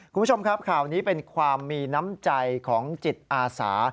คุณผู้ชมครับข่าวนี้เป็นความมีน้ำใจของจิตอาสา